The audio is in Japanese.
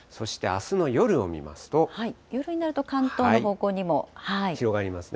夜になると関東の方向にも。広がりますね。